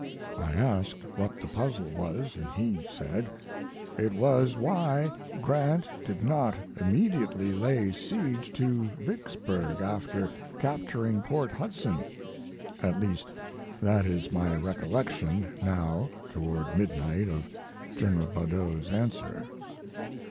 I asked what the puzzle was, and he said, "It was why Grant did not immediately lay siege to Vicksburg after capturing Port Hudson" (at least that is my recollection, now toward midnight, of General Badeau's answer).